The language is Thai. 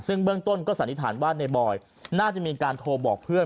ซึ่งเบื้องต้นก็สันนิษฐานว่าในบอยน่าจะมีการโทรบอกเพื่อน